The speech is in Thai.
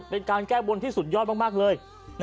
เป็นการแก้บนที่สุดยอดมากเลย